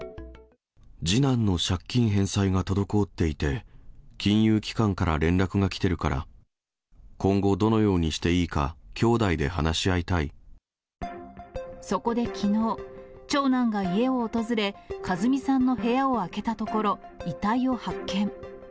次男の借金返済が滞っていて、金融機関から連絡が来てるから、今後どのようにしていいか、そこできのう、長男が家を訪れ、和巳さんの部屋を開けたところ、遺体を発見。